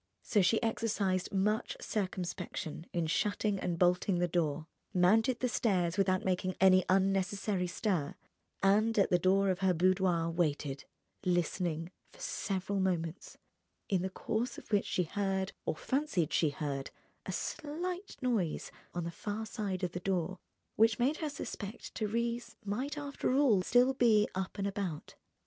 So she exercised much circumspection in shutting and bolting the door, mounted the stairs without making any unnecessary stir, and at the door of her boudoir waited, listening, for several moments, in the course of which she heard, or fancied she heard, a slight noise on the far side of the door which made her suspect Thérèse might after all still be up and about.